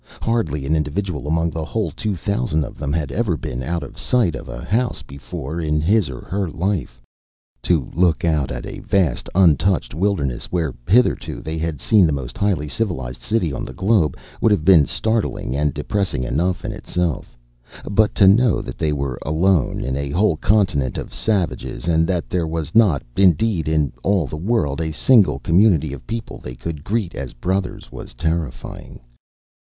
Hardly an individual among the whole two thousand of them had ever been out of sight of a house before in his or her life. To look out at a vast, untouched wilderness where hitherto they had seen the most highly civilized city on the globe would have been startling and depressing enough in itself, but to know that they were alone in a whole continent of savages and that there was not, indeed, in all the world a single community of people they could greet as brothers was terrifying.